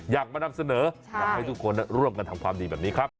อยากมานำเสนออยากให้ทุกคนร่วมกันทำความดีแบบนี้ครับ